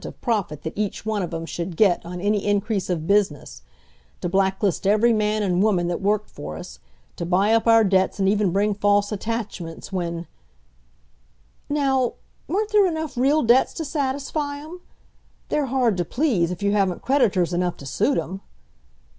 of profit each one of 'em should get on any increase of business; to blacklist every man and woman that worked for us; to buy up our debts and even bring false attachments, when '" "Now, weren't there enough real debts to satisfy 'em? They're hard to please, if you haven't creditors enough to suit 'em!"